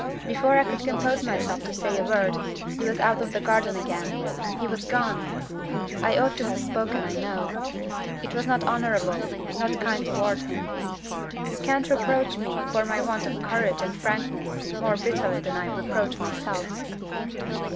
Before I could compose myself to say a word, he was out in the garden again he was gone! I ought to have spoken, I know. It was not honorable, not kind toward him. You can't reproach me for my want of courage and frankness more bitterly than I reproach myself!"